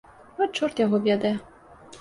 А чорт яго ведае.